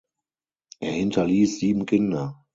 Er hinterließ sieben Kinder.